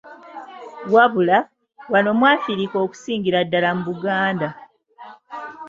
Wabula, wano mu Afirika n'okusingira ddala mu Buganda.